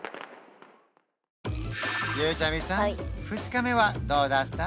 ２日目はどうだった？